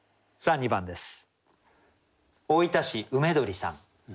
２番です。